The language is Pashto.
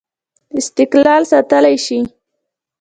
استقلال ساتلای شي.